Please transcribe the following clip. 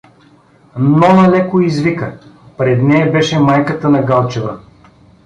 Нона леко извика: пред нея беше майката на Галчева.